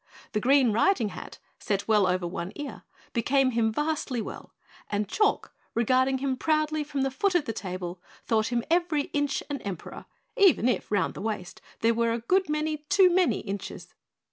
The green riding hat, set well over one ear, became him vastly well and Chalk, regarding him proudly from the foot of the table, thought him every inch an Emperor, even if round the waist there were a good many too many inches.